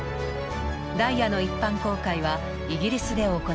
ダイヤの一般公開はイギリスで行われた。